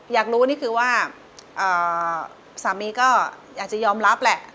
อยากรู้นี่คือว่าสามีก็อยากจะยอมรับแหละ